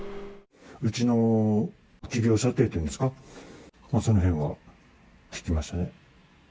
うちの企業舎弟というんですか、その辺は聞きましたね。